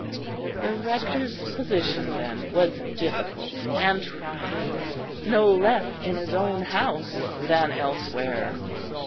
The Rector's position then was difficult and trying, no less in his own house than elsewhere.